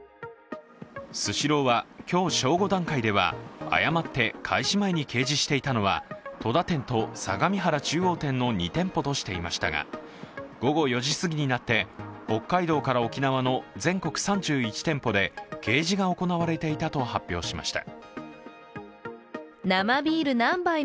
スシローは今日正午段階では、誤って開始前に掲示していたのは戸田店と相模原中央店の２店舗としていましたが、午後４時すぎになって、北海道から沖縄の全国３１店舗で掲示が行われていたと発表しました。